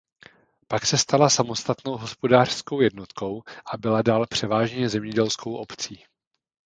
Pak se stala samostatnou hospodářskou jednotkou a byla dál převážně zemědělskou obcí.